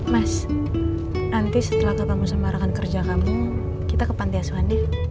mas nanti setelah ketemu sama rakan kerja kamu kita ke panti aswadil